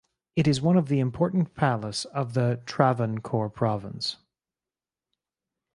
It is one of the important palace of the Travancore province.